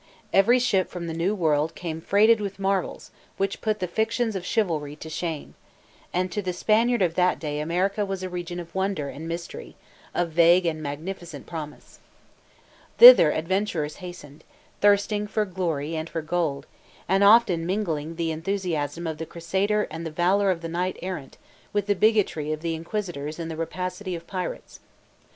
Every ship from the New World came freighted with marvels which put the fictions of chivalry to shame; and to the Spaniard of that day America was a region of wonder and mystery, of vague and magnificent promise. Thither adventurers hastened, thirsting for glory and for gold, and often mingling the enthusiasm of the crusader and the valor of the knight errant with the bigotry of inquisitors and the rapacity of pirates.